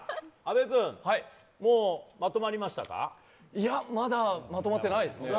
いや、まだまとまってないです。